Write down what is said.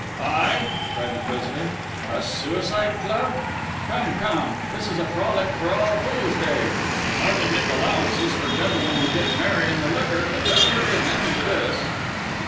"I?" cried the President. "A Suicide Club? Come, come! this is a frolic for All Fools' Day. I can make allowances for gentlemen who get merry in their liquor; but let there be an end to this."